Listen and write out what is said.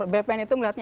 bpn itu melihatnya